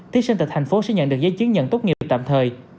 thí sinh tại thành phố sẽ nhận được giấy chứng nhận tốt nghiệp tạm thời